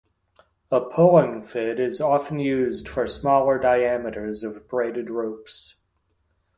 A pulling fid is often used for smaller diameters of braided ropes.